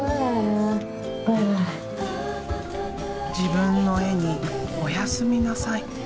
自分の絵に「おやすみなさい」。